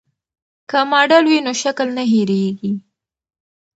که ماډل وي نو شکل نه هېریږي.